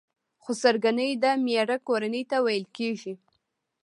خسرګنۍ د مېړه کورنۍ ته ويل کيږي.